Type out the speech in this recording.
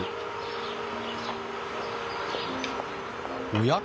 おや？